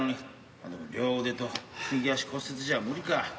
まあでも両腕と右足骨折じゃ無理か。